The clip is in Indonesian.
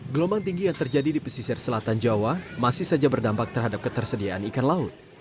gelombang tinggi yang terjadi di pesisir selatan jawa masih saja berdampak terhadap ketersediaan ikan laut